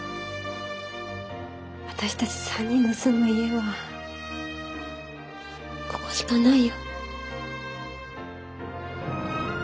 私たち三人の住む家はここしかないよ。